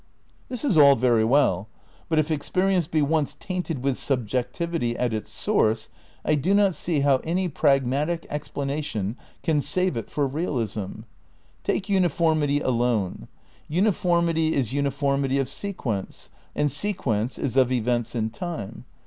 This is all very well, but if experience be once tainted with subjectivity at its source, I do not see how any pragmatic explanation can save it for realism. Take uniformity alone. Uniformity is uniformity of se quence and sequence is of events in time.